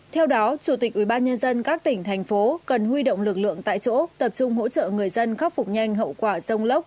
theo đó chủ tịch ubnd các tỉnh thành phố cần huy động lực lượng tại chỗ tập trung hỗ trợ người dân khắc phục nhanh hậu quả rông lốc